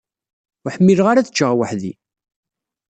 Ur ḥmileɣ ara ad ččeɣ weḥd-i.